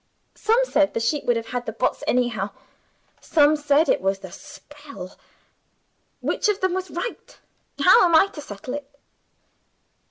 Some said the sheep would have had the Bots anyhow. Some said it was the spell. Which of them was right? How am I to settle it?"